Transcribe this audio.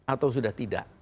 atau sudah tidak